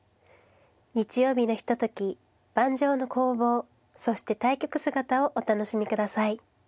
日曜日のひととき盤上の攻防そして対局姿をお楽しみ下さい。